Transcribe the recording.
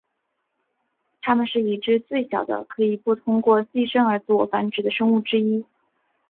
它们是已知最小的可以不通过寄生而自我繁殖的生物之一。